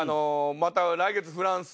また来月フランス行って。